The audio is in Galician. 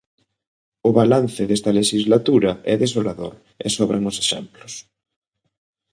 O balance desta lexislatura é desolador, e sobran os exemplos.